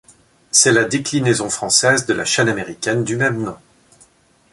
C'est la déclinaison française de la chaîne américaine du même nom.